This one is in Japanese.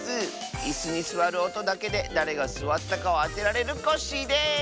いすにすわるおとだけでだれがすわったかをあてられるコッシーです！